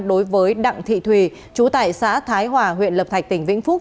đối với đặng thị thùy chú tại xã thái hòa huyện lập thạch tỉnh vĩnh phúc